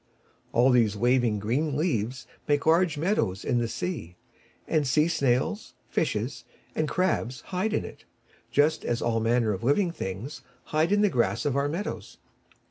All these waving green leaves make large meadows in the sea; and sea snails, fishes, and crabs hide in it, just as all manner of living things hide in the grass of our meadows.